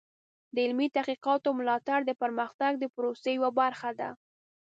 د علمي تحقیقاتو ملاتړ د پرمختګ د پروسې یوه برخه ده.